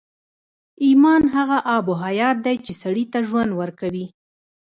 ایمان هغه آب حیات دی چې سړي ته ژوند ورکوي